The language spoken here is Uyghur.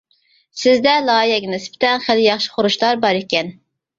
سىزدە لايىھەگە نىسبەتەن خېلى ياخشى خۇرۇچلار بار ئىكەن.